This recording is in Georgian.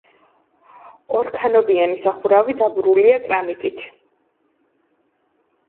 ორქანობიანი სახურავი დაბურულია კრამიტით.